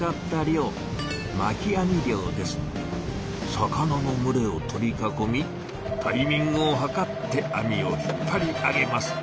魚のむれを取り囲みタイミングを図って網を引っぱり上げます。